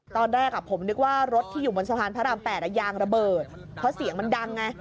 ตอนแรกผมนึกว่ารถที่อยู่บนสะพานพระราม๘ยางระเบิดเพราะเสียงมันดังไง